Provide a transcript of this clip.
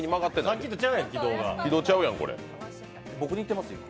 さっきと軌道がちゃうやん。